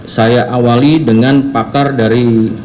saya awali dengan pakar dari